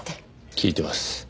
聞いてます。